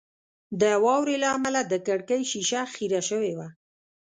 د واورې له امله د کړکۍ شیشه خیره شوې وه